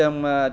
ở khắp các nơi